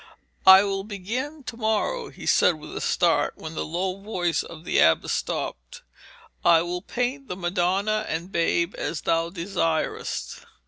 'I will begin to morrow,' he said with a start when the low voice of the abbess stopped. 'I will paint the Madonna and Babe as thou desirest.'